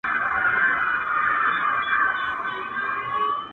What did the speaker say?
چي په مزار بغلان کابل کي به دي ياده لرم.